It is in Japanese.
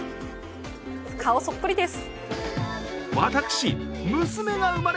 顔そっくりです。